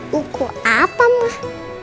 buku apa mah